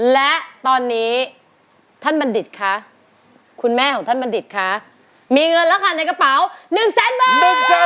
และตอนนี้ท่านบัณฑิตคะคุณแม่ของท่านบัณฑิตคะมีเงินแล้วค่ะในกระเป๋า๑แสนบาท